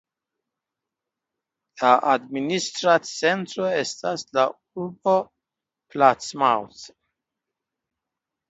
La administra centro estas la urbo Plattsmouth.